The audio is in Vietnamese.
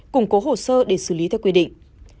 củng cố hồ sơ để xử lý theo quy định